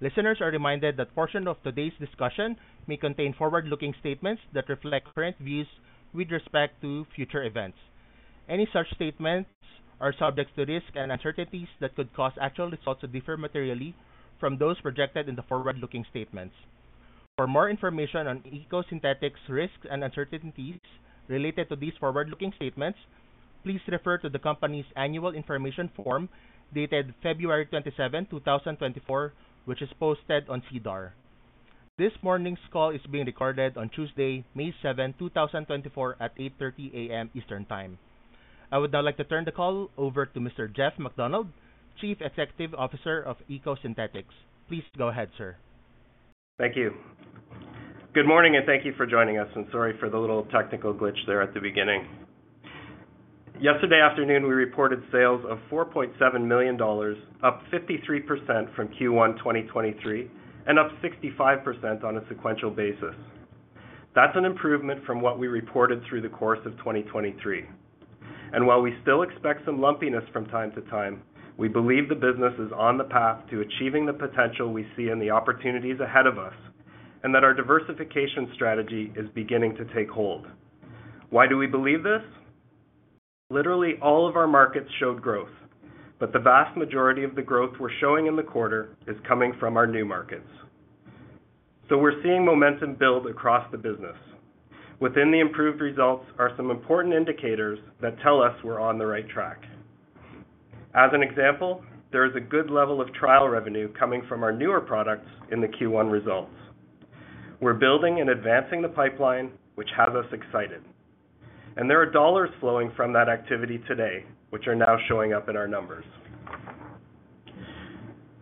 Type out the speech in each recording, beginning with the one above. Listeners are reminded that portion of today's discussion may contain forward-looking statements that reflect current views with respect to future events. Any such statements are subject to risks and uncertainties that could cause actual results to differ materially from those projected in the forward-looking statements. For more information on EcoSynthetix risks and uncertainties related to these forward-looking statements, please refer to the company's Annual Information Form, dated February 27, 2024, which is posted on SEDAR. This morning's call is being recorded on Tuesday, May 7, 2024, at 8:30 A.M. Eastern Time. I would now like to turn the call over to Mr. Jeff MacDonald, Chief Executive Officer of EcoSynthetix. Please go ahead, sir. Thank you. Good morning, and thank you for joining us, and sorry for the little technical glitch there at the beginning. Yesterday afternoon, we reported sales of $4.7 million, up 53% from Q1 2023, and up 65% on a sequential basis. That's an improvement from what we reported through the course of 2023. And while we still expect some lumpiness from time to time, we believe the business is on the path to achieving the potential we see in the opportunities ahead of us, and that our diversification strategy is beginning to take hold. Why do we believe this? Literally, all of our markets showed growth, but the vast majority of the growth we're showing in the quarter is coming from our new markets. So we're seeing momentum build across the business. Within the improved results are some important indicators that tell us we're on the right track. As an example, there is a good level of trial revenue coming from our newer products in the Q1 results. We're building and advancing the pipeline, which has us excited, and there are dollars flowing from that activity today, which are now showing up in our numbers.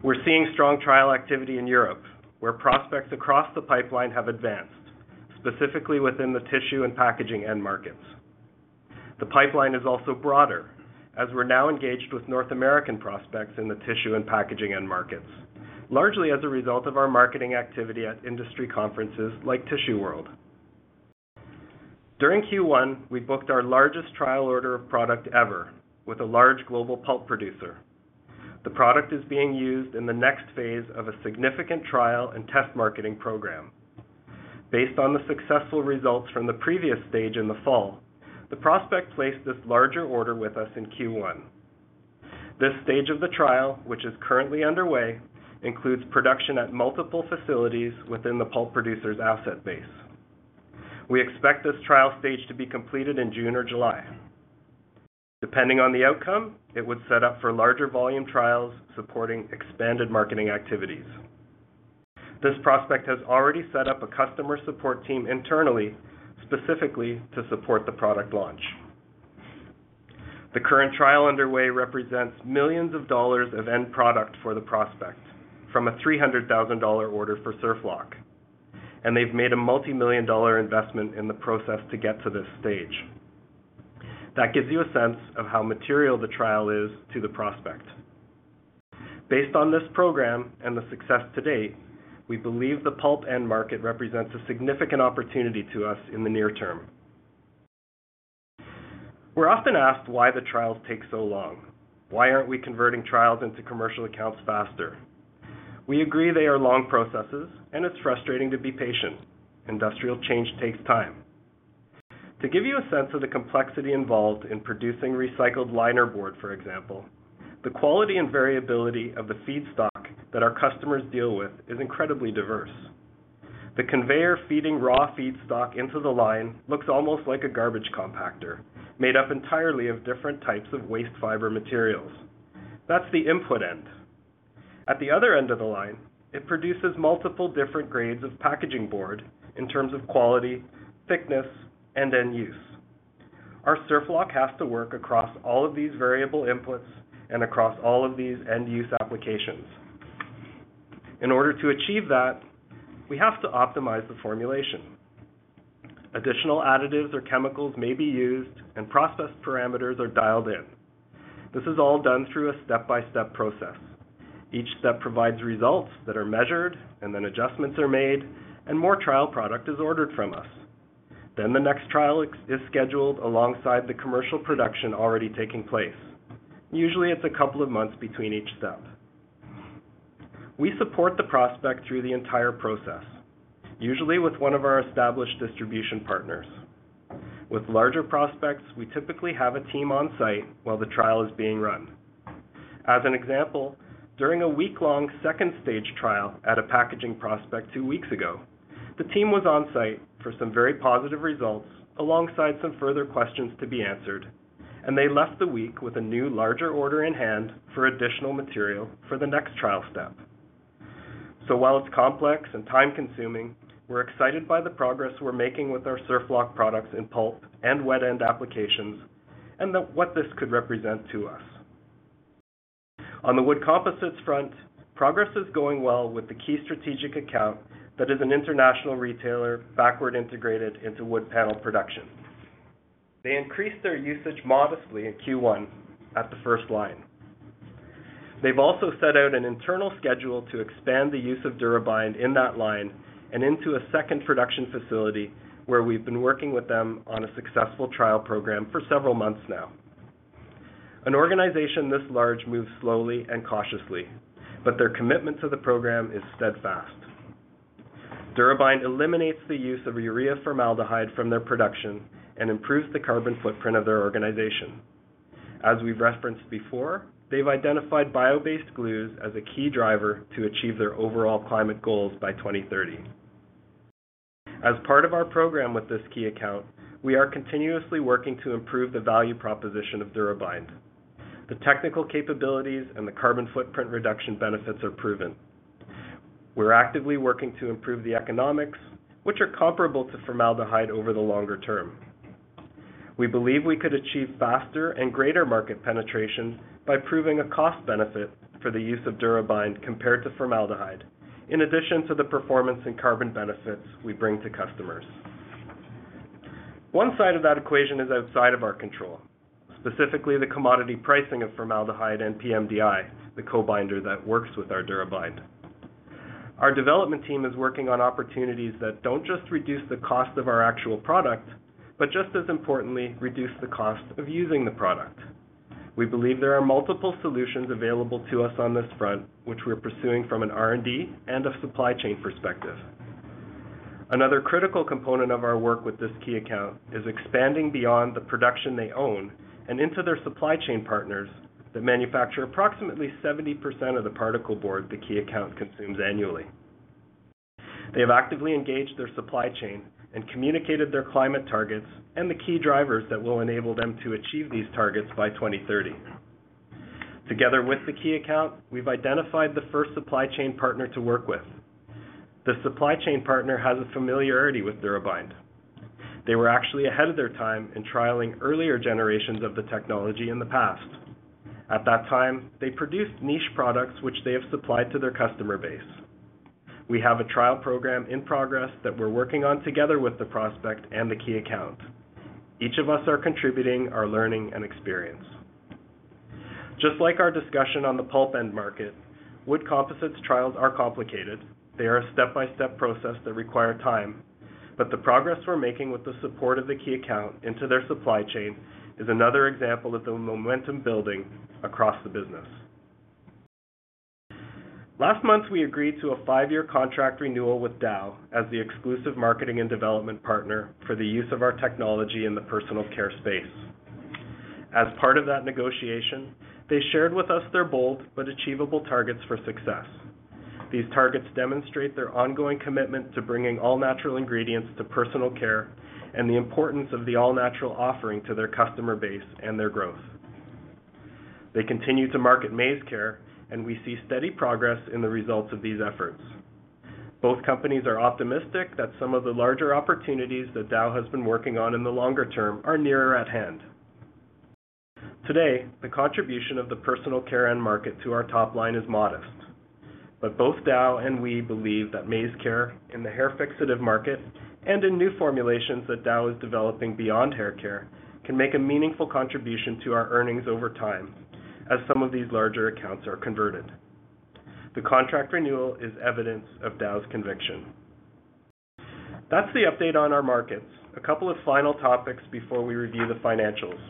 We're seeing strong trial activity in Europe, where prospects across the pipeline have advanced, specifically within the tissue and packaging end markets. The pipeline is also broader, as we're now engaged with North American prospects in the tissue and packaging end markets, largely as a result of our marketing activity at industry conferences like Tissue World. During Q1, we booked our largest trial order of product ever with a large global pulp producer. The product is being used in the next phase of a significant trial and test marketing program. Based on the successful results from the previous stage in the fall, the prospect placed this larger order with us in Q1. This stage of the trial, which is currently underway, includes production at multiple facilities within the pulp producer's asset base. We expect this trial stage to be completed in June or July. Depending on the outcome, it would set up for larger volume trials supporting expanded marketing activities. This prospect has already set up a customer support team internally, specifically to support the product launch. The current trial underway represents $millions of end product for the prospect from a $300,000 order for SurfLock, and they've made a multimillion-dollar investment in the process to get to this stage. That gives you a sense of how material the trial is to the prospect. Based on this program and the success to date, we believe the pulp end market represents a significant opportunity to us in the near term. We're often asked why the trials take so long. Why aren't we converting trials into commercial accounts faster? We agree they are long processes, and it's frustrating to be patient. Industrial change takes time. To give you a sense of the complexity involved in producing recycled linerboard, for example, the quality and variability of the feedstock that our customers deal with is incredibly diverse. The conveyor feeding raw feedstock into the line looks almost like a garbage compactor, made up entirely of different types of waste fiber materials. That's the input end. At the other end of the line, it produces multiple different grades of packaging board in terms of quality, thickness, and end use. Our SurfLock has to work across all of these variable inputs and across all of these end-use applications. In order to achieve that, we have to optimize the formulation. Additional additives or chemicals may be used, and process parameters are dialed in. This is all done through a step-by-step process. Each step provides results that are measured, and then adjustments are made, and more trial product is ordered from us. Then the next trial is scheduled alongside the commercial production already taking place. Usually, it's a couple of months between each step. We support the prospect through the entire process, usually with one of our established distribution partners. With larger prospects, we typically have a team on-site while the trial is being run. As an example, during a week-long second-stage trial at a packaging prospect two weeks ago, the team was on-site for some very positive results, alongside some further questions to be answered, and they left the week with a new larger order in hand for additional material for the next trial step. So while it's complex and time-consuming, we're excited by the progress we're making with our SurfLock products in pulp and wet end applications and the, what this could represent to us. On the wood composites front, progress is going well with the key strategic account that is an international retailer, backward integrated into wood panel production. They increased their usage modestly in Q1 at the first line. They've also set out an internal schedule to expand the use of DuraBind in that line and into a second production facility, where we've been working with them on a successful trial program for several months now. An organization this large moves slowly and cautiously, but their commitment to the program is steadfast. DuraBind eliminates the use of urea formaldehyde from their production and improves the carbon footprint of their organization. As we've referenced before, they've identified bio-based glues as a key driver to achieve their overall climate goals by 2030. As part of our program with this key account, we are continuously working to improve the value proposition of DuraBind. The technical capabilities and the carbon footprint reduction benefits are proven. We're actively working to improve the economics, which are comparable to formaldehyde over the longer term. We believe we could achieve faster and greater market penetration by proving a cost benefit for the use of DuraBind compared to formaldehyde, in addition to the performance and carbon benefits we bring to customers. One side of that equation is outside of our control, specifically the commodity pricing of formaldehyde and pMDI, the co-binder that works with our DuraBind. Our development team is working on opportunities that don't just reduce the cost of our actual product, but just as importantly, reduce the cost of using the product. We believe there are multiple solutions available to us on this front, which we're pursuing from an R&D and a supply chain perspective. Another critical component of our work with this key account is expanding beyond the production they own and into their supply chain partners that manufacture approximately 70% of the particle board the key account consumes annually. They have actively engaged their supply chain and communicated their climate targets and the key drivers that will enable them to achieve these targets by 2030. Together with the key account, we've identified the first supply chain partner to work with. The supply chain partner has a familiarity with DuraBind. They were actually ahead of their time in trialing earlier generations of the technology in the past. At that time, they produced niche products, which they have supplied to their customer base. We have a trial program in progress that we're working on together with the prospect and the key account. Each of us are contributing our learning and experience. Just like our discussion on the pulp end market, wood composites trials are complicated. They are a step-by-step process that require time, but the progress we're making with the support of the key account into their supply chain is another example of the momentum building across the business. Last month, we agreed to a 5-year contract renewal with Dow as the exclusive marketing and development partner for the use of our technology in the personal care space. As part of that negotiation, they shared with us their bold but achievable targets for success. These targets demonstrate their ongoing commitment to bringing all-natural ingredients to personal care and the importance of the all-natural offering to their customer base and their growth. They continue to market MaizeCare, and we see steady progress in the results of these efforts. Both companies are optimistic that some of the larger opportunities that Dow has been working on in the longer term are nearer at hand. Today, the contribution of the personal care end market to our top line is modest, but both Dow and we believe that MaizeCare in the hair fixative market and in new formulations that Dow is developing beyond hair care, can make a meaningful contribution to our earnings over time as some of these larger accounts are converted. The contract renewal is evidence of Dow's conviction. That's the update on our markets. A couple of final topics before we review the financials.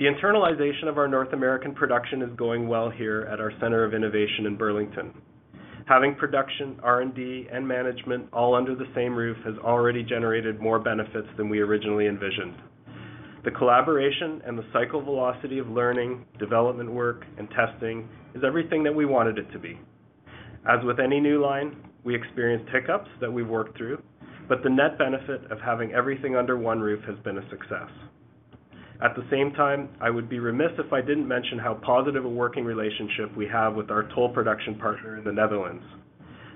The internalization of our North American production is going well here at our Centre of Innovation in Burlington. Having production, R&D, and management all under the same roof has already generated more benefits than we originally envisioned. The collaboration and the cycle velocity of learning, development work, and testing is everything that we wanted it to be. As with any new line, we experience hiccups that we work through, but the net benefit of having everything under one roof has been a success. At the same time, I would be remiss if I didn't mention how positive a working relationship we have with our toll production partner in the Netherlands.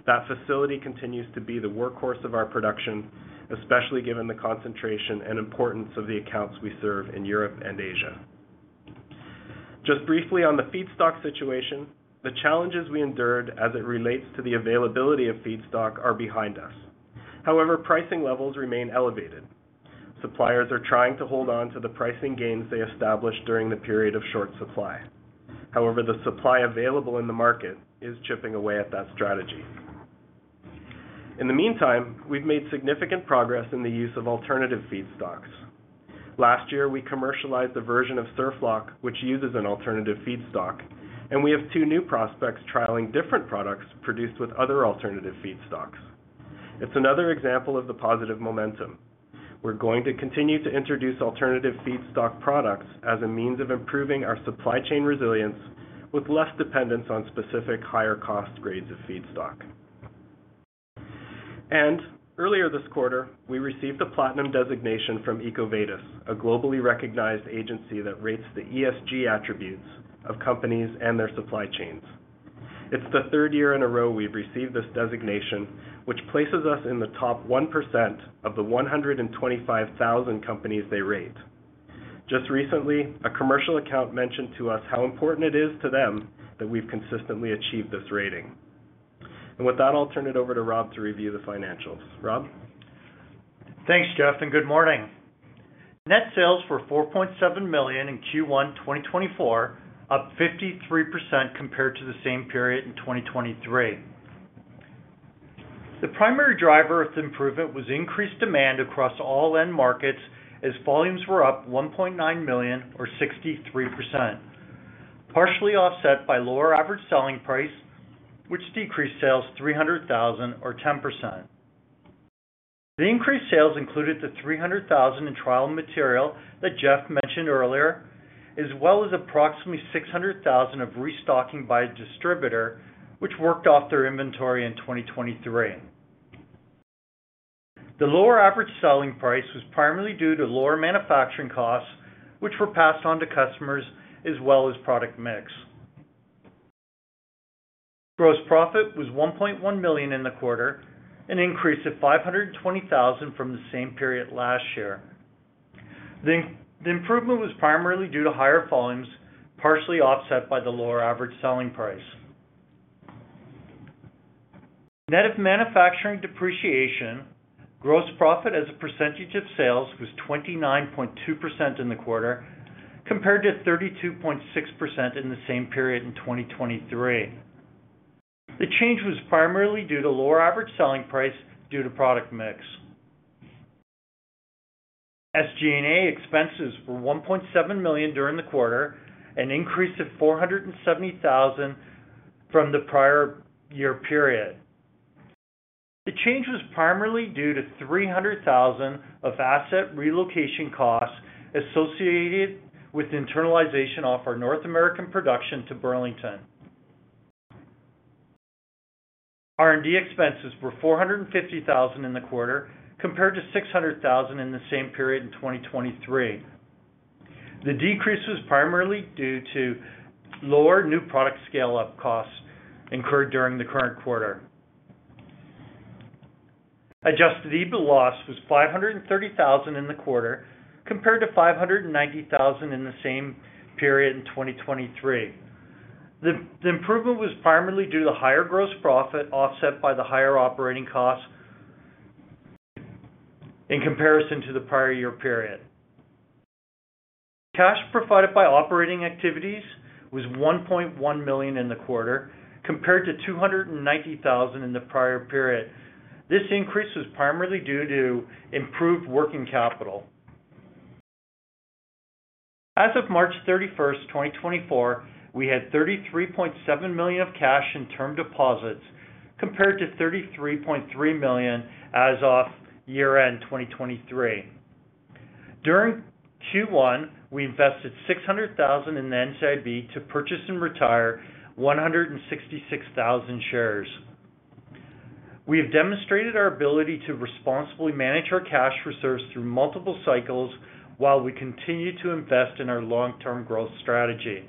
That facility continues to be the workhorse of our production, especially given the concentration and importance of the accounts we serve in Europe and Asia. Just briefly on the feedstock situation, the challenges we endured as it relates to the availability of feedstock are behind us. However, pricing levels remain elevated. Suppliers are trying to hold on to the pricing gains they established during the period of short supply. However, the supply available in the market is chipping away at that strategy. In the meantime, we've made significant progress in the use of alternative feedstocks. Last year, we commercialized a version of SurfLock, which uses an alternative feedstock, and we have two new prospects trialing different products produced with other alternative feedstocks. It's another example of the positive momentum. We're going to continue to introduce alternative feedstock products as a means of improving our supply chain resilience with less dependence on specific higher cost grades of feedstock. Earlier this quarter, we received a platinum designation from EcoVadis, a globally recognized agency that rates the ESG attributes of companies and their supply chains. It's the third year in a row we've received this designation, which places us in the top 1% of the 125,000 companies they rate. Just recently, a commercial account mentioned to us how important it is to them that we've consistently achieved this rating. With that, I'll turn it over to Rob to review the financials. Rob? Thanks, Jeff, and good morning. Net sales were $4.7 million in Q1 2024, up 53% compared to the same period in 2023. The primary driver of the improvement was increased demand across all end markets, as volumes were up 1.9 million, or 63%, partially offset by lower average selling price, which decreased sales $300,000 or 10%. The increased sales included the $300,000 in trial material that Jeff mentioned earlier, as well as approximately $600,000 of restocking by a distributor, which worked off their inventory in 2023. The lower average selling price was primarily due to lower manufacturing costs, which were passed on to customers as well as product mix. Gross profit was $1.1 million in the quarter, an increase of $520,000 from the same period last year. The improvement was primarily due to higher volumes, partially offset by the lower average selling price. Net of manufacturing depreciation, gross profit as a percentage of sales was 29.2% in the quarter, compared to 32.6% in the same period in 2023. The change was primarily due to lower average selling price due to product mix. SG&A expenses were $1.7 million during the quarter, an increase of $470,000 from the prior year period. The change was primarily due to $300,000 of asset relocation costs associated with internalization of our North American production to Burlington. R&D expenses were $450,000 in the quarter, compared to $600,000 in the same period in 2023. The decrease was primarily due to lower new product scale-up costs incurred during the current quarter. Adjusted EBITDA loss was $530,000 in the quarter, compared to $590,000 in the same period in 2023. The improvement was primarily due to higher gross profit, offset by the higher operating costs in comparison to the prior year period. Cash provided by operating activities was $1.1 million in the quarter, compared to $290,000 in the prior period. This increase was primarily due to improved working capital. As of March 31, 2024, we had $33.7 million of cash and term deposits, compared to $33.3 million as of year-end 2023. During Q1, we invested $600,000 in the NCIB to purchase and retire 166,000 shares. We have demonstrated our ability to responsibly manage our cash reserves through multiple cycles while we continue to invest in our long-term growth strategy.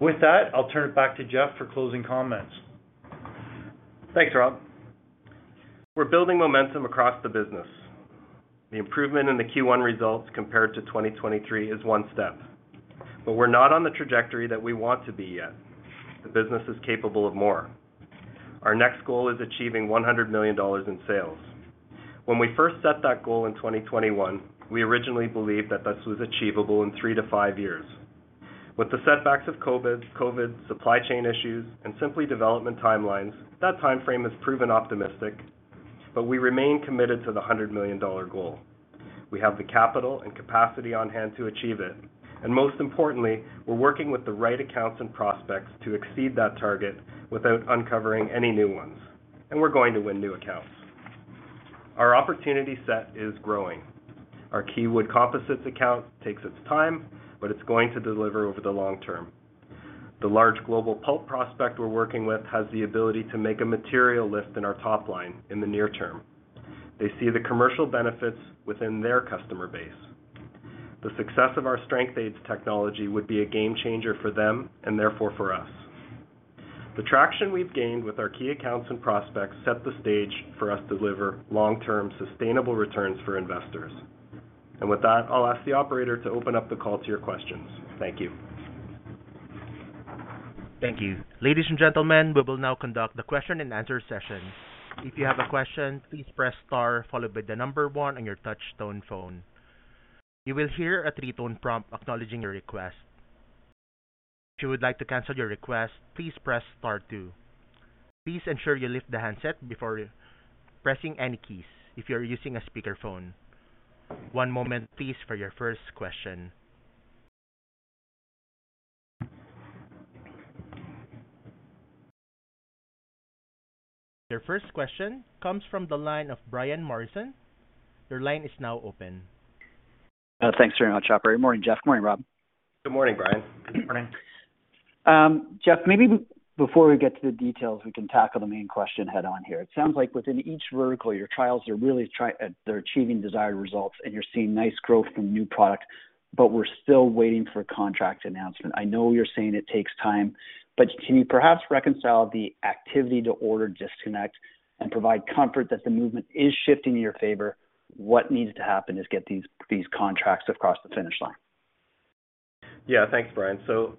With that, I'll turn it back to Jeff for closing comments. Thanks, Rob. We're building momentum across the business. The improvement in the Q1 results compared to 2023 is one step, but we're not on the trajectory that we want to be yet. The business is capable of more. Our next goal is achieving $100 million in sales. When we first set that goal in 2021, we originally believed that this was achievable in 3-5 years. With the setbacks of COVID, COVID supply chain issues, and simply development timelines, that timeframe has proven optimistic, but we remain committed to the $100 million goal. We have the capital and capacity on hand to achieve it, and most importantly, we're working with the right accounts and prospects to exceed that target without uncovering any new ones, and we're going to win new accounts. Our opportunity set is growing. Our key Wood Composites account takes its time, but it's going to deliver over the long term. The large global pulp prospect we're working with has the ability to make a material lift in our top line in the near term. They see the commercial benefits within their customer base. The success of our strength aids technology would be a game changer for them, and therefore for us. The traction we've gained with our key accounts and prospects set the stage for us to deliver long-term, sustainable returns for investors. And with that, I'll ask the operator to open up the call to your questions. Thank you. Thank you. Ladies and gentlemen, we will now conduct the question-and-answer session. If you have a question, please press star followed by the number one on your touchtone phone. You will hear a three-tone prompt acknowledging your request. If you would like to cancel your request, please press star two. Please ensure you lift the handset before pressing any keys if you are using a speakerphone. One moment, please, for your first question. Your first question comes from the line of Brian Morrison. Your line is now open. Thanks very much, operator. Morning, Jeff. Morning, Rob. Good morning, Brian. Good morning. Jeff, maybe before we get to the details, we can tackle the main question head on here. It sounds like within each vertical, your trials are really, they're achieving desired results, and you're seeing nice growth from new products, but we're still waiting for a contract announcement. I know you're saying it takes time, but can you perhaps reconcile the activity to order disconnect and provide comfort that the movement is shifting in your favor? What needs to happen is get these, these contracts across the finish line. Yeah. Thanks, Brian. So,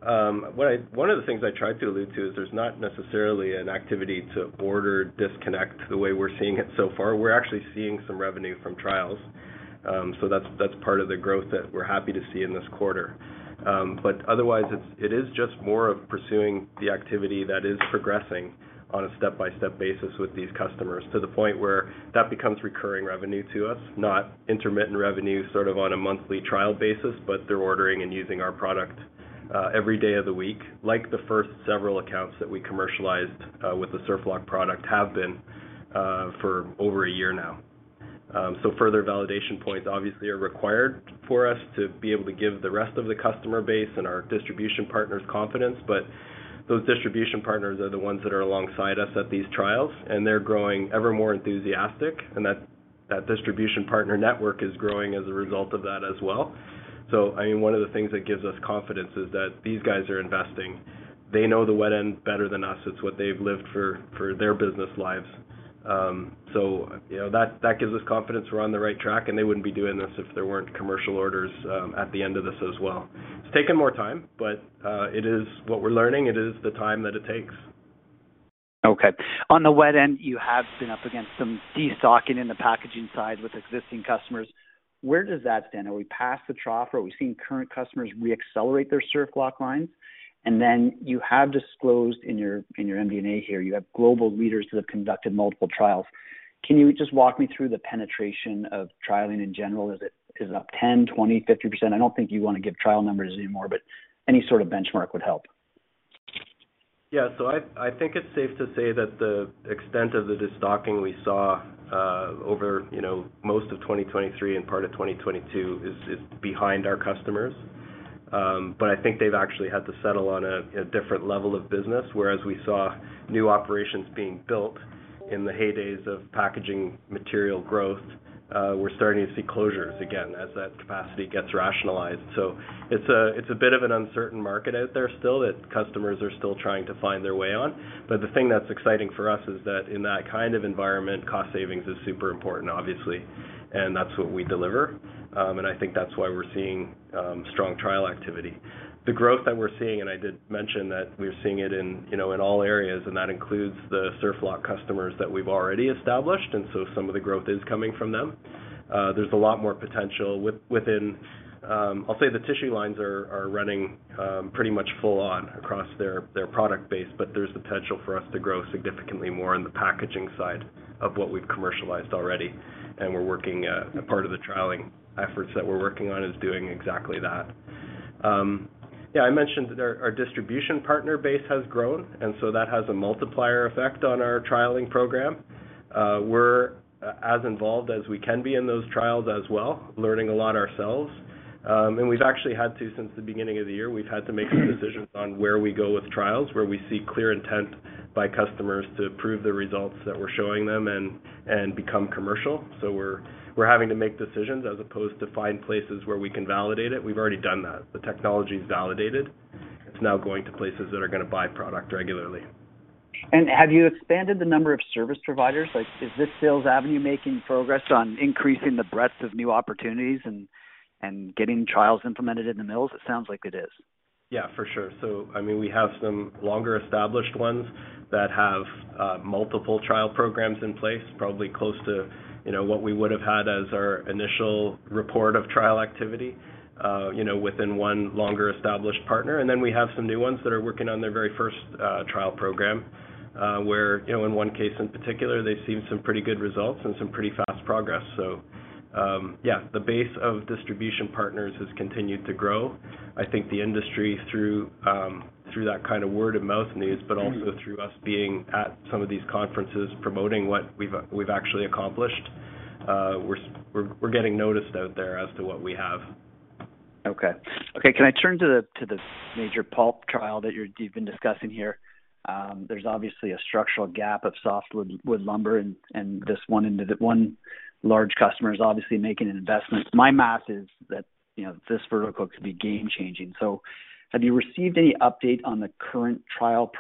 One of the things I tried to allude to is there's not necessarily an activity to order disconnect the way we're seeing it so far. We're actually seeing some revenue from trials. So that's, that's part of the growth that we're happy to see in this quarter. But otherwise, it is just more of pursuing the activity that is progressing on a step-by-step basis with these customers, to the point where that becomes recurring revenue to us, not intermittent revenue, sort of on a monthly trial basis, but they're ordering and using our product, with the first several accounts that we commercialized with the SurfLock product have been for over a year now. So further validation points obviously are required for us to be able to give the rest of the customer base and our distribution partners confidence. But those distribution partners are the ones that are alongside us at these trials, and they're growing ever more enthusiastic, and that, that distribution partner network is growing as a result of that as well. So I mean, one of the things that gives us confidence is that these guys are investing. They know the wet end better than us. It's what they've lived for, for their business lives. So, you know, that, that gives us confidence we're on the right track, and they wouldn't be doing this if there weren't commercial orders, at the end of this as well. It's taken more time, but, it is what we're learning. It is the time that it takes. Okay. On the wet end, you have been up against some de-stocking in the packaging side with existing customers. Where does that stand? Are we past the trough, or are we seeing current customers reaccelerate their SurfLock lines? And then you have disclosed in your, in your MD&A here, you have global leaders who have conducted multiple trials. Can you just walk me through the penetration of trialing in general? Is it-- is it up 10%, 20%, 50%? I don't think you wanna give trial numbers anymore, but any sort of benchmark would help. Yeah. So I think it's safe to say that the extent of the de-stocking we saw over, you know, most of 2023 and part of 2022 is behind our customers. But I think they've actually had to settle on a different level of business, whereas we saw new operations being built in the heydays of packaging material growth, we're starting to see closures again as that capacity gets rationalized. So it's a bit of an uncertain market out there still, that customers are still trying to find their way on. But the thing that's exciting for us is that in that kind of environment, cost savings is super important, obviously, and that's what we deliver. And I think that's why we're seeing strong trial activity. The growth that we're seeing, and I did mention that we're seeing it in, you know, in all areas, and that includes the SurfLock customers that we've already established, and so some of the growth is coming from them. There's a lot more potential within, I'll say the tissue lines are running pretty much full on across their product base, but there's potential for us to grow significantly more on the packaging side of what we've commercialized already. We're working, part of the trialing efforts that we're working on is doing exactly that. Yeah, I mentioned that our distribution partner base has grown, and so that has a multiplier effect on our trialing program. We're as involved as we can be in those trials as well, learning a lot ourselves. We've actually had to, since the beginning of the year, we've had to make decisions on where we go with trials, where we see clear intent by customers to prove the results that we're showing them and become commercial. So we're having to make decisions as opposed to find places where we can validate it. We've already done that. The technology is validated. It's now going to places that are gonna buy product regularly. Have you expanded the number of service providers? Like, is this sales avenue making progress on increasing the breadth of new opportunities and getting trials implemented in the mills? It sounds like it is. Yeah, for sure. So I mean, we have some longer established ones that have multiple trial programs in place, probably close to, you know, what we would have had as our initial report of trial activity, you know, within one longer established partner. And then we have some new ones that are working on their very first trial program, where, you know, in one case in particular, they've seen some pretty good results and some pretty fast progress. So, yeah, the base of distribution partners has continued to grow. I think the industry through that kind of word-of-mouth news, but also through us being at some of these conferences, promoting what we've actually accomplished, we're getting noticed out there as to what we have. Okay. Okay, can I turn to the major pulp trial that you've been discussing here? There's obviously a structural gap of softwood wood lumber, and this one into the one large customer is obviously making an investment. My math is that, you know, this vertical could be game changing. So have you received any update on the current trial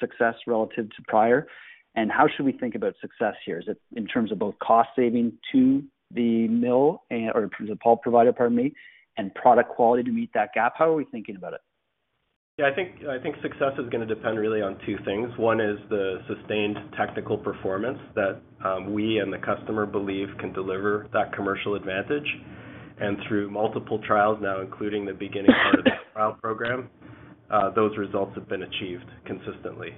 success relative to prior? And how should we think about success here? Is it in terms of both cost saving to the mill and, or the pulp provider, pardon me, and product quality to meet that gap? How are we thinking about it? Yeah, I think success is gonna depend really on two things. One is the sustained technical performance that we and the customer believe can deliver that commercial advantage. And through multiple trials now, including the beginning part of the trial program, those results have been achieved consistently.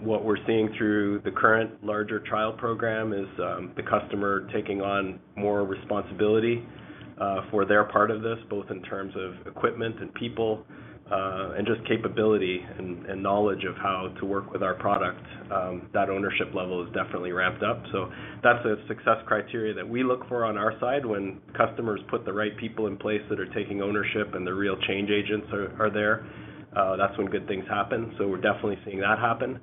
What we're seeing through the current larger trial program is the customer taking on more responsibility for their part of this, both in terms of equipment and people, and just capability and knowledge of how to work with our product. That ownership level is definitely ramped up. So that's a success criteria that we look for on our side. When customers put the right people in place that are taking ownership and the real change agents are there, that's when good things happen. So we're definitely seeing that happen.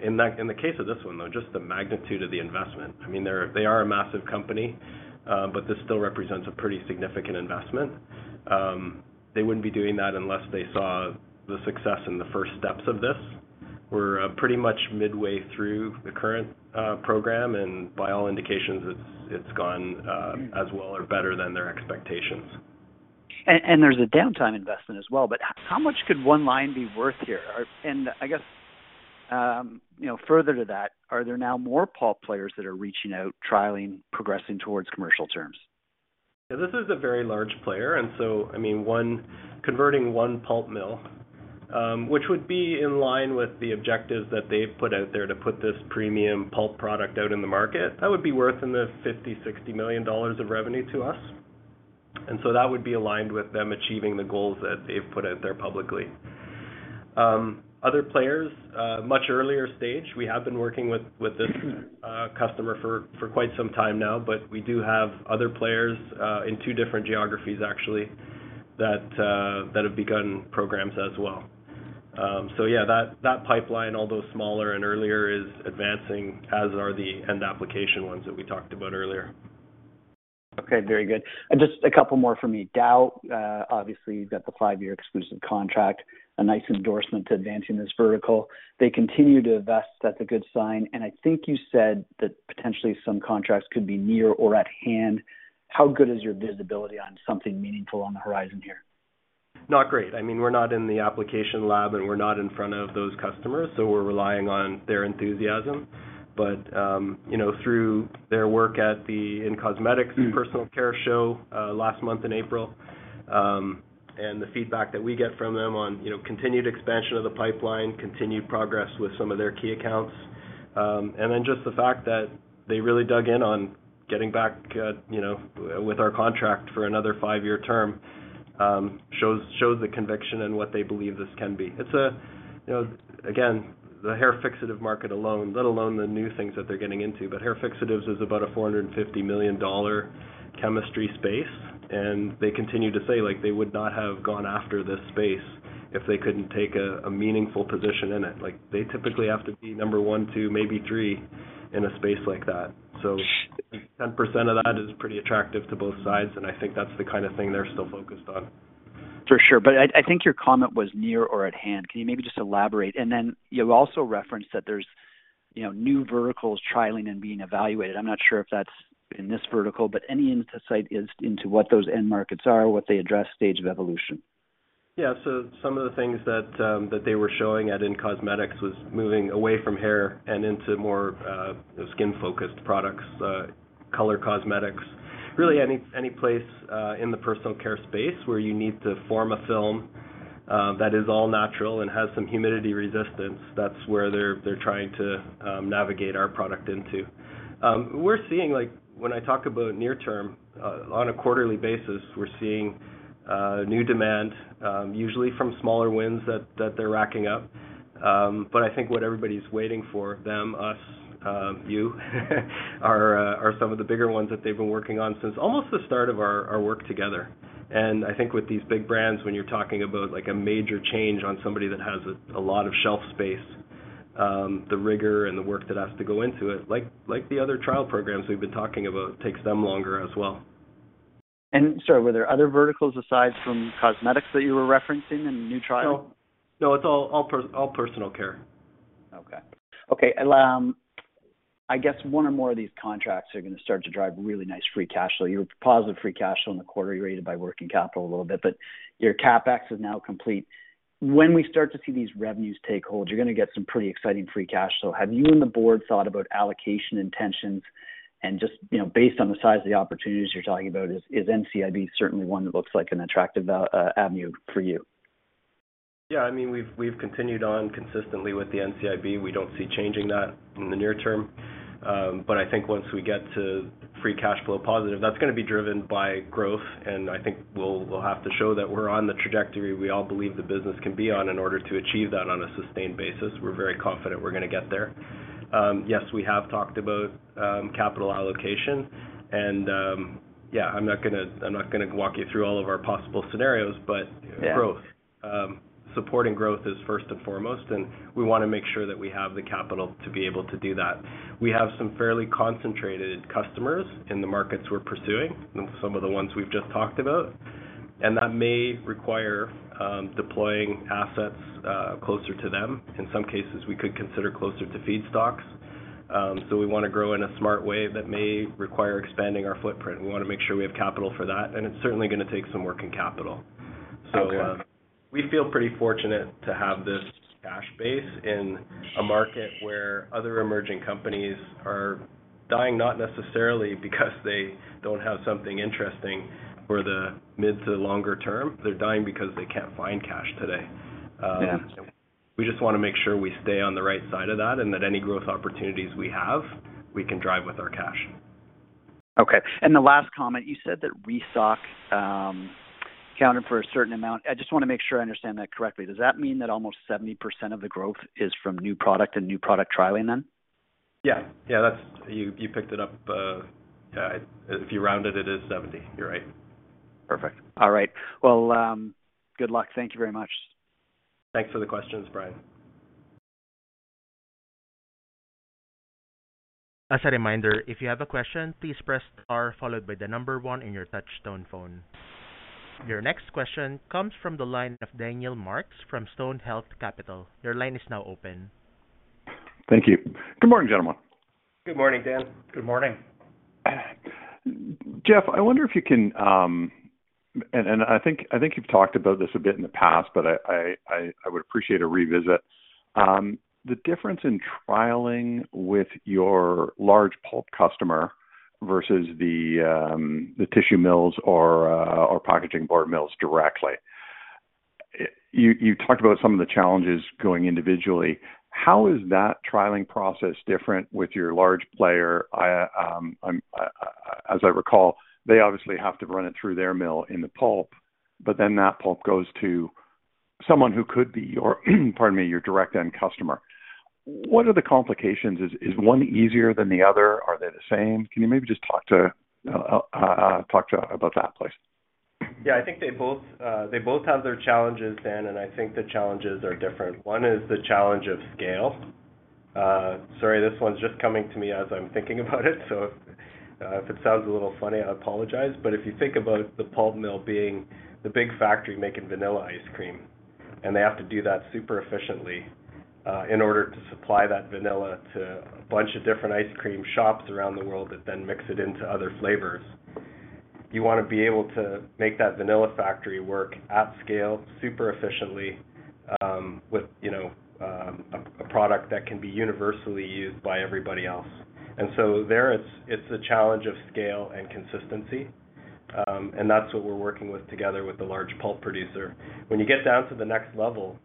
In that case of this one, though, just the magnitude of the investment, I mean, they're, they are a massive company, but this still represents a pretty significant investment. They wouldn't be doing that unless they saw the success in the first steps of this. We're pretty much midway through the current program, and by all indications, it's gone as well or better than their expectations. ...And, and there's a downtime investment as well, but how much could one line be worth here? And I guess, you know, further to that, are there now more pulp players that are reaching out, trialing, progressing towards commercial terms? Yeah, this is a very large player, and so, I mean, one converting one pulp mill, which would be in line with the objectives that they've put out there to put this premium pulp product out in the market, that would be worth in the $50-$60 million of revenue to us. And so that would be aligned with them achieving the goals that they've put out there publicly. Other players, much earlier stage, we have been working with this customer for quite some time now, but we do have other players in two different geographies, actually, that have begun programs as well. So yeah, that pipeline, although smaller and earlier, is advancing, as are the end application ones that we talked about earlier. Okay, very good. Just a couple more for me. Dow, obviously, you've got the 5-year exclusive contract, a nice endorsement to advancing this vertical. They continue to invest, that's a good sign, and I think you said that potentially some contracts could be near or at hand. How good is your visibility on something meaningful on the horizon here? Not great. I mean, we're not in the application lab, and we're not in front of those customers, so we're relying on their enthusiasm. But, you know, through their work at the, in-cosmetics and personal care show, last month in April, and the feedback that we get from them on, you know, continued expansion of the pipeline, continued progress with some of their key accounts. And then just the fact that they really dug in on getting back, you know, with our contract for another five-year term, shows, shows the conviction and what they believe this can be. It's a, you know, again, the hair fixative market alone, let alone the new things that they're getting into, but hair fixatives is about a $450 million chemistry space, and they continue to say, like, they would not have gone after this space if they couldn't take a meaningful position in it. Like, they typically have to be number one, two, maybe three in a space like that. So 10% of that is pretty attractive to both sides, and I think that's the kind of thing they're still focused on. For sure, but I think your comment was near or at hand. Can you maybe just elaborate? And then you also referenced that there's, you know, new verticals trialing and being evaluated. I'm not sure if that's in this vertical, but any insight as to what those end markets are, what they address, stage of evolution? Yeah, so some of the things that they were showing at in cosmetics was moving away from hair and into more skin-focused products, color cosmetics. Really, any place in the personal care space where you need to form a film that is all natural and has some humidity resistance, that's where they're trying to navigate our product into. We're seeing, like, when I talk about near term on a quarterly basis, we're seeing new demand usually from smaller wins that they're racking up. But I think what everybody's waiting for, them, us, you, are some of the bigger ones that they've been working on since almost the start of our work together. I think with these big brands, when you're talking about, like, a major change on somebody that has a lot of shelf space, the rigor and the work that has to go into it, like the other trial programs we've been talking about, takes them longer as well. Sorry, were there other verticals aside from cosmetics that you were referencing in the new trial? No. No, it's all personal care. Okay. Okay, I guess one or more of these contracts are gonna start to drive really nice free cash flow. Your positive free cash flow in the quarter, you're aided by working capital a little bit, but your CapEx is now complete. When we start to see these revenues take hold, you're gonna get some pretty exciting free cash flow. Have you and the board thought about allocation intentions and just, you know, based on the size of the opportunities you're talking about, is NCIB certainly one that looks like an attractive avenue for you? Yeah, I mean, we've continued on consistently with the NCIB. We don't see changing that in the near term. But I think once we get to free cash flow positive, that's gonna be driven by growth, and I think we'll have to show that we're on the trajectory we all believe the business can be on in order to achieve that on a sustained basis. We're very confident we're gonna get there. Yes, we have talked about capital allocation, and yeah, I'm not gonna walk you through all of our possible scenarios, but- Yeah ... growth, supporting growth is first and foremost, and we wanna make sure that we have the capital to be able to do that. We have some fairly concentrated customers in the markets we're pursuing, and some of the ones we've just talked about, and that may require deploying assets closer to them. In some cases, we could consider closer to feedstocks. So we wanna grow in a smart way that may require expanding our footprint. We wanna make sure we have capital for that, and it's certainly gonna take some working capital. Okay. So, we feel pretty fortunate to have this cash base in a market where other emerging companies are dying, not necessarily because they don't have something interesting for the mid to the longer term. They're dying because they can't find cash today. Yeah. We just wanna make sure we stay on the right side of that, and that any growth opportunities we have, we can drive with our cash. Okay. The last comment, you said that feedstock accounted for a certain amount. I just wanna make sure I understand that correctly. Does that mean that almost 70% of the growth is from new product and new product trialing then? Yeah. Yeah, that's... You picked it up, if you round it, it is 70. You're right. Perfect. All right. Well, good luck. Thank you very much. Thanks for the questions, Brian. As a reminder, if you have a question, please press star, followed by the number one in your touchtone phone. Your next question comes from the line of Daniel Marks from Stonehouse Capital. Your line is now open.... Thank you. Good morning, gentlemen. Good morning, Dan. Good morning. Jeff, I wonder if you can, and I think you've talked about this a bit in the past, but I would appreciate a revisit. The difference in trialing with your large pulp customer versus the tissue mills or packaging board mills directly. You talked about some of the challenges going individually. How is that trialing process different with your large player? As I recall, they obviously have to run it through their mill in the pulp, but then that pulp goes to someone who could be your, pardon me, your direct end customer. What are the complications? Is one easier than the other? Are they the same? Can you maybe just talk about that, please? Yeah, I think they both, they both have their challenges, Dan, and I think the challenges are different. One is the challenge of scale. Sorry, this one's just coming to me as I'm thinking about it, so if it sounds a little funny, I apologize. But if you think about the pulp mill being the big factory making vanilla ice cream, and they have to do that super efficiently, in order to supply that vanilla to a bunch of different ice cream shops around the world that then mix it into other flavors. You wanna be able to make that vanilla factory work at scale, super efficiently, with, you know, a product that can be universally used by everybody else. And so it's a challenge of scale and consistency, and that's what we're working with together with the large pulp producer. When you get down to the next level,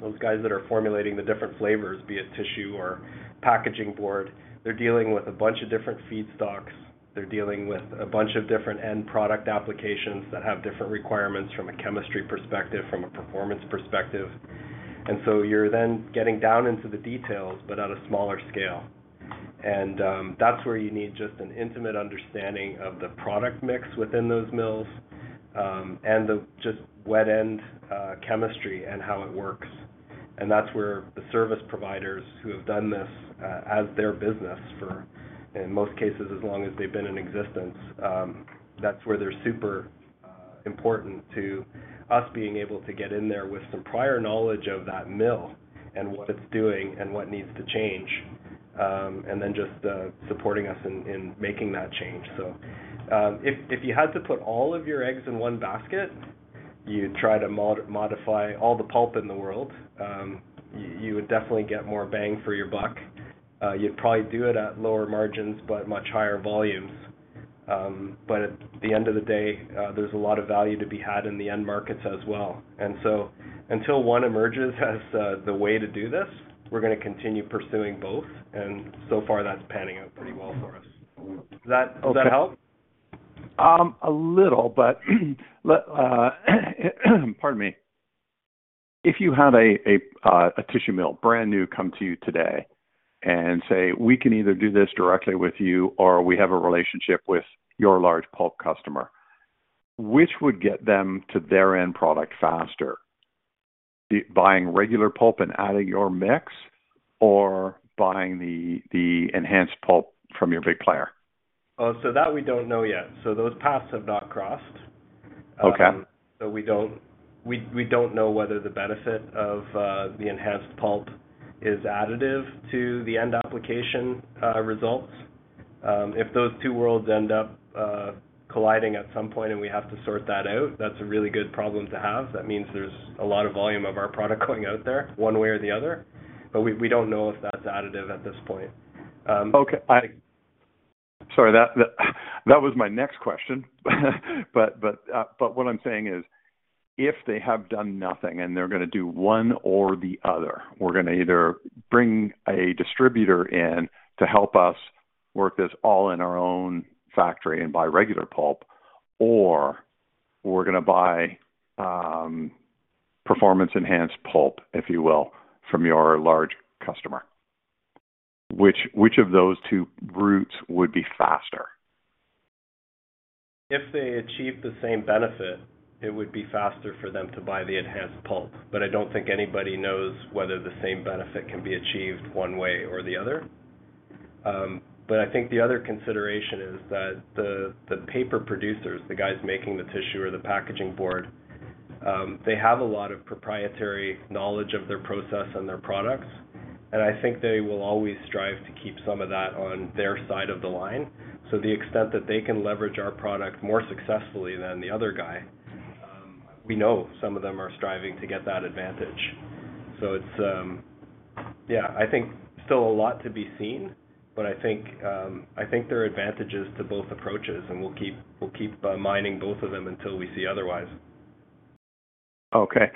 those guys that are formulating the different flavors, be it tissue or packaging board, they're dealing with a bunch of different feedstocks. They're dealing with a bunch of different end product applications that have different requirements from a chemistry perspective, from a performance perspective. And so you're then getting down into the details, but on a smaller scale. And, that's where you need just an intimate understanding of the product mix within those mills, and the just wet end chemistry and how it works. That's where the service providers who have done this, as their business for, in most cases, as long as they've been in existence, that's where they're super important to us being able to get in there with some prior knowledge of that mill and what it's doing and what needs to change, and then just supporting us in making that change. So, if you had to put all of your eggs in one basket, you'd try to modify all the pulp in the world. You would definitely get more bang for your buck. You'd probably do it at lower margins, but much higher volumes. But at the end of the day, there's a lot of value to be had in the end markets as well. And so until one emerges as the way to do this, we're gonna continue pursuing both, and so far, that's panning out pretty well for us. Does that help? A little, but, pardon me. If you had a tissue mill, brand new, come to you today and say, "We can either do this directly with you, or we have a relationship with your large pulp customer," which would get them to their end product faster, buying regular pulp and adding your mix, or buying the enhanced pulp from your big player? Oh, so that we don't know yet. Those paths have not crossed. Okay. So we don't know whether the benefit of the enhanced pulp is additive to the end application results. If those two worlds end up colliding at some point and we have to sort that out, that's a really good problem to have. That means there's a lot of volume of our product going out there, one way or the other, but we don't know if that's additive at this point. Okay. Sorry, that was my next question. But what I'm saying is, if they have done nothing and they're gonna do one or the other, we're gonna either bring a distributor in to help us work this all in our own factory and buy regular pulp, or we're gonna buy performance-enhanced pulp, if you will, from your large customer, which of those two routes would be faster? If they achieve the same benefit, it would be faster for them to buy the enhanced pulp, but I don't think anybody knows whether the same benefit can be achieved one way or the other. But I think the other consideration is that the paper producers, the guys making the tissue or the packaging board, they have a lot of proprietary knowledge of their process and their products, and I think they will always strive to keep some of that on their side of the line. So the extent that they can leverage our product more successfully than the other guy, we know some of them are striving to get that advantage. It's yeah, I think still a lot to be seen, but I think there are advantages to both approaches, and we'll keep mining both of them until we see otherwise. Okay.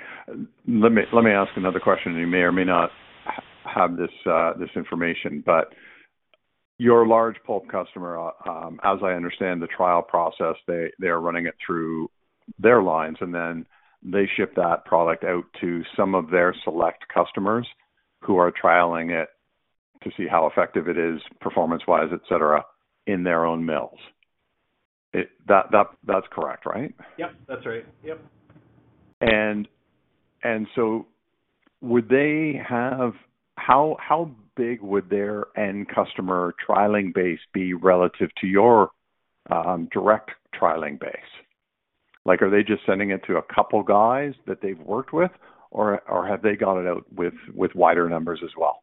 Let me, let me ask another question, and you may or may not have this information, but your large pulp customer, as I understand the trial process, they, they are running it through their lines, and then they ship that product out to some of their select customers who are trialing it to see how effective it is, performance-wise, et cetera, in their own mills. That, that's correct, right? Yep, that's right. Yep. So would they have... How big would their end customer trialing base be relative to your direct trialing base? Like, are they just sending it to a couple guys that they've worked with, or have they got it out with wider numbers as well?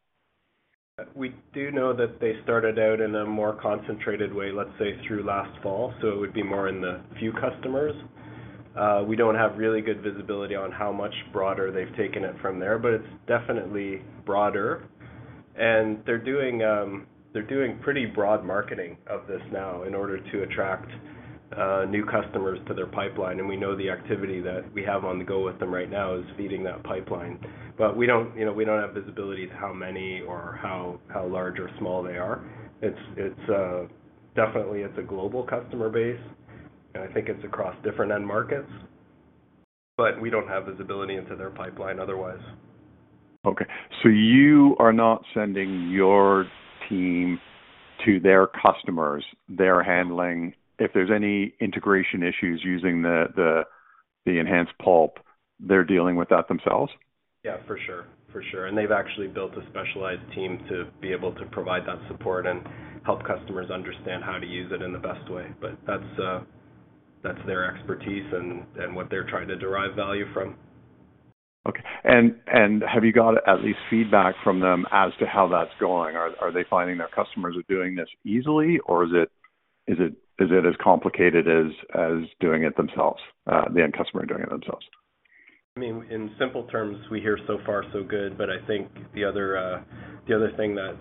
We do know that they started out in a more concentrated way, let's say, through last fall, so it would be more in the few customers. We don't have really good visibility on how much broader they've taken it from there, but it's definitely broader. And they're doing, they're doing pretty broad marketing of this now in order to attract new customers to their pipeline. And we know the activity that we have on the go with them right now is feeding that pipeline. But we don't, you know, we don't have visibility to how many or how, how large or small they are. It's, it's definitely it's a global customer base, and I think it's across different end markets, but we don't have visibility into their pipeline otherwise. Okay, so you are not sending your team to their customers. They're handling -- if there's any integration issues using the enhanced pulp, they're dealing with that themselves? Yeah, for sure. For sure. And they've actually built a specialized team to be able to provide that support and help customers understand how to use it in the best way. But that's, that's their expertise and, and what they're trying to derive value from. Okay. And have you got at least feedback from them as to how that's going? Are they finding their customers are doing this easily, or is it as complicated as doing it themselves, the end customer doing it themselves? I mean, in simple terms, we hear so far so good, but I think the other thing that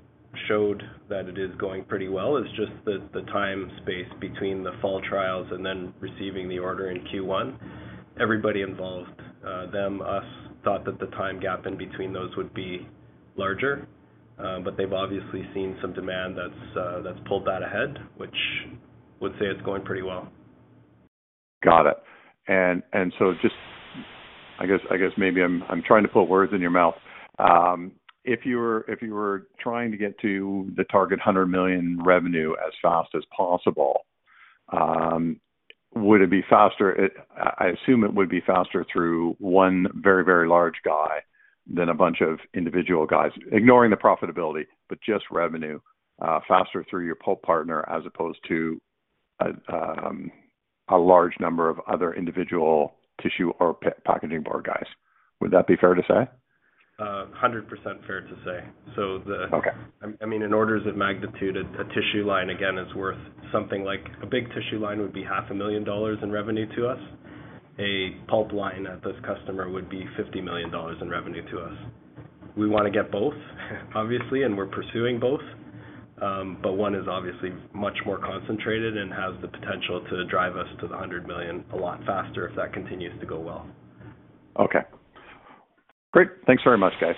showed that it is going pretty well is just the time space between the fall trials and then receiving the order in Q1. Everybody involved, them, us, thought that the time gap in between those would be larger, but they've obviously seen some demand that's pulled that ahead, which would say it's going pretty well. Got it. So I guess maybe I'm trying to put words in your mouth. If you were trying to get to the target $100 million revenue as fast as possible, would it be faster? I assume it would be faster through one very large guy than a bunch of individual guys, ignoring the profitability, but just revenue, faster through your pulp partner as opposed to a large number of other individual tissue or packaging board guys. Would that be fair to say? 100% fair to say. So the- Okay. I mean, in orders of magnitude, a tissue line, again, is worth something like a big tissue line would be $500,000 in revenue to us. A pulp line at this customer would be $50 million in revenue to us. We wanna get both, obviously, and we're pursuing both, but one is obviously much more concentrated and has the potential to drive us to the $100 million a lot faster if that continues to go well. Okay. Great. Thanks very much, guys.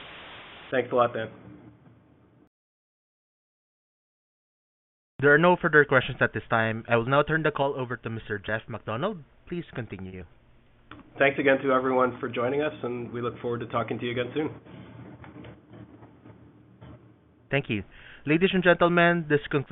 Thanks a lot, Dan. There are no further questions at this time. I will now turn the call over to Mr. Jeff MacDonald. Please continue. Thanks again to everyone for joining us, and we look forward to talking to you again soon. Thank you. Ladies and gentlemen, this concludes.